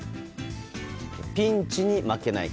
ピンチに負けない！